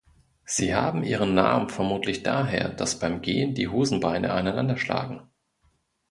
Sie haben ihren Namen vermutlich daher, dass beim Gehen die Hosenbeine aneinander schlagen.